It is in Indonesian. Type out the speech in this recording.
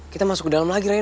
kita masuk ke dalam lagi raya